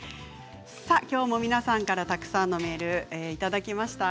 きょうも皆さんからたくさんのメールいただきました。